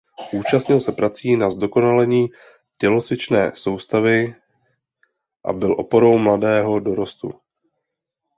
Účastnil se prací na zdokonalení tělocvičné soustavy a byl oporou mladého dorostu.